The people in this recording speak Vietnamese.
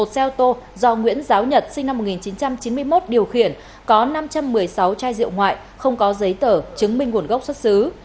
một xe ô tô do nguyễn giáo nhật sinh năm một nghìn chín trăm chín mươi một điều khiển có năm trăm một mươi sáu chai rượu ngoại không có giấy tờ chứng minh nguồn gốc xuất xứ